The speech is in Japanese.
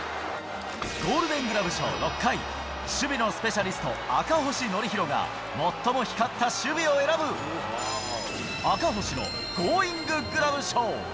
ゴールデングラブ賞６回、守備のスペシャリスト、赤星憲広が最も光った守備を選ぶ、赤星のゴーインググラブ賞。